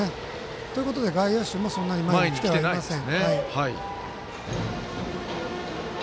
ということで外野手もそんなに前には来ていません。